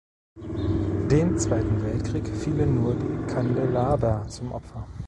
Dem Zweiten Weltkrieg fielen nur die Kandelaber zum Opfer.